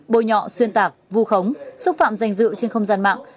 bôi nhọ xuyên tạc vu khống xúc phạm danh dự trên không gian mạng